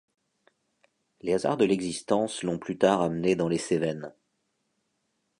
Les hasards de l'existence l'ont plus tard amené dans les Cévennes.